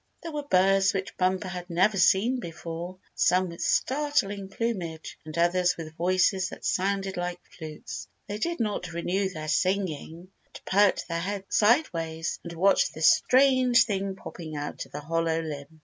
There were birds which Bumper had never seen before, some with startling plumage, and others with voices that sounded like flutes. They did not renew their singing, but perked their heads sideways and watched this strange thing popping out of the hollow limb.